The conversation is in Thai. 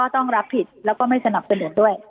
ต้องรับผิดแล้วก็ไม่สนับสนุนด้วย